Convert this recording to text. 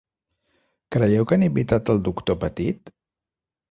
Creieu que han invitat el doctor Petit?